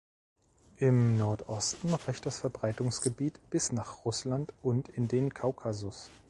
Im Nordosten reicht das Verbreitungsgebiet bis nach Russland und in den Kaukasus.